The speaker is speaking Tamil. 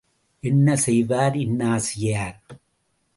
என்ன செய்வார் இன்னாசியார்?